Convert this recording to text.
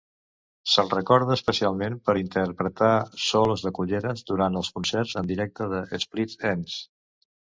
Se'l recorda especialment per interpretar solos de culleres durant els concerts en directe de Split Enz.